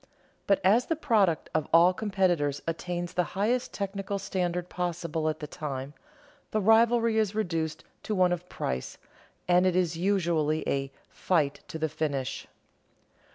But as the product of all competitors attains the highest technical standard possible at the time, the rivalry is reduced to one of price, and it is usually a "fight to the finish."